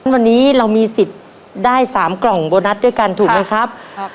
วันนี้เรามีสิทธิ์ได้๓กล่องโบนัสด้วยกันถูกไหมครับ